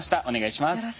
お願いします。